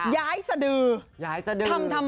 ย้ายสะดือทำทำไม